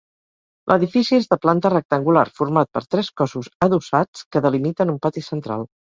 L'edifici és de planta rectangular, format per tres cossos adossats que delimiten un pati central.